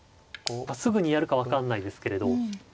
すぐにやるか分かんないですけれど。